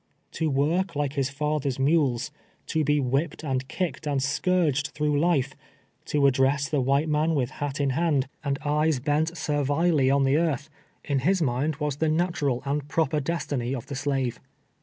To work like his father's mules — to be whipped and kicked and scourged through life —■ to address the white man with hat iu hand, and eyes 262 TRTELVE TEARS A SLAVE. bent servilely on the earth, in liis mind, was the natu ral and proper destiny of the slave.